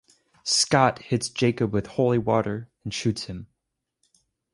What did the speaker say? Scott hits Jacob with holy water and shoots him.